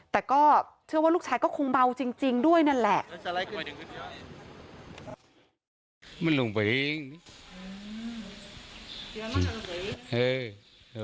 แต่ก็เชื่อว่าลูกชายก็คงเมาจริงด้วยนั่นแหละ